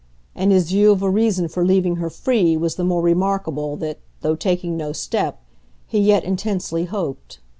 And his view of a reason for leaving her free was the more remarkable that, though taking no step, he yet intensely hoped.